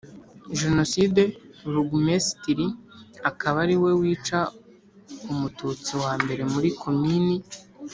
Jenoside burugumesitiri akaba ariwe wica umututsi wa mbere muri Komini